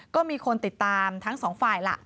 ก็มีคนติดตามทั้งสองฝ่ายล่ะ